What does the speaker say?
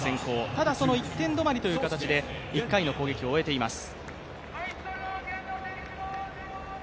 ただ、その１点止まりという形で１回の攻撃を終えていてます。